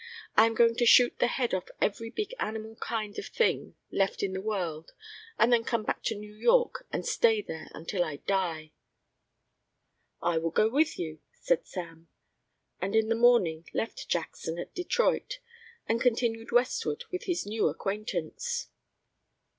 I am going to shoot the head off of every big animal kind of thing left in the world and then come back to New York and stay there until I die." "I will go with you," said Sam, and in the morning left Jackson at Detroit and continued westward with his new acquaintance.